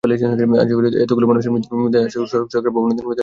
আশা করি, এতগুলো মানুষের মৃত্যুর দায়ে সরকার ভবনের নির্মাতাদের আইনের আওতায় আনবে।